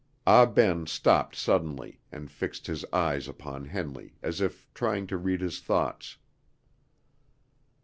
Ah Ben stopped suddenly, and fixed his eyes upon Henley, as if trying to read his thoughts.